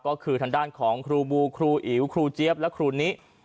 ก็คือทางด้านของครูบูครูอิ๋วครูเจี๊ยบและครูนิ